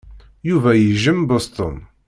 Yuba yejjem Boston.